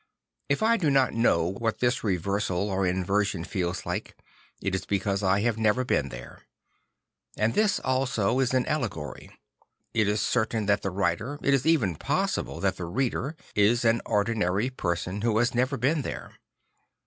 If I do not know what this reversal or inversion feels like, it is because I have never been there. And this also is an allegory. It is certain that the writer, it is even possible that the reader, is an ordinary person who has never been there.